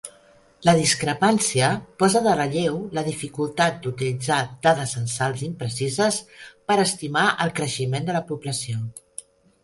La discrepància posa de relleu la dificultat d'utilitzar dades censals imprecises per estimar el creixement de la població.